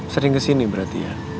sering kesini berarti ya